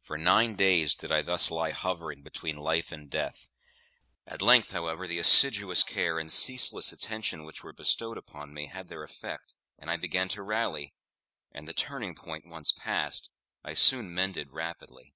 For nine days did I thus lie hovering between life and death; at length, however, the assiduous care and ceaseless attention which were bestowed upon me had their effect, and I began to rally; and, the turning point once passed, I soon mended rapidly.